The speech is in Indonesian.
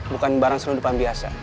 bukan barang senudupan biasa